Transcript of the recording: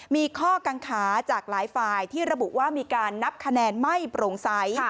มีข้อกังขาจากหลายฝ่ายที่ระบุว่ามีการนับคะแนนไม่โปร่งใส